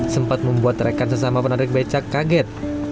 sempat membuat rekan sesama penarik becak kaget